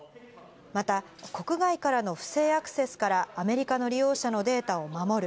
また国外からの不正アクセスからアメリカの利用者のデータを守る。